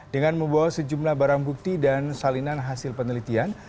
dengan membawa sejumlah barang bukti dan salinan hasil penelitian